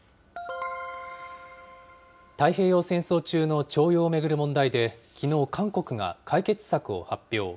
太平洋戦争中の徴用を巡る問題で、きのう、韓国が解決策を発表。